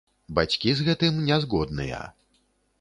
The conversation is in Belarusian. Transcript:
Бацькі з гэтым не згодныя.